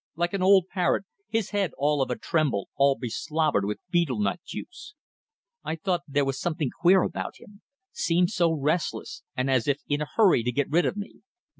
like an old parrot, his head all of a tremble, all beslobbered with betel nut juice. I thought there was something queer about him. Seemed so restless, and as if in a hurry to get rid of me.